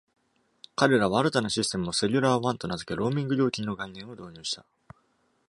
彼らは新たなシステムを ”Cellular One” と名付け、ローミング料金の概念を導入した。